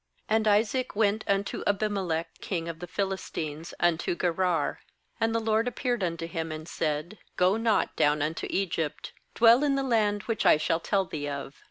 And Isaac went unto Abimelech king of the PMlistines unto Gerar. 2And the LORD appeared unto him, and said: 'Go not down into Egypt; dwell in the land wMch I shall tell thee of.